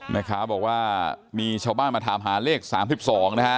แม่ค้าบอกว่ามีชาวบ้านมาถามหาเลขสามสิบสองนะฮะ